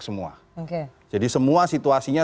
semua jadi semua situasinya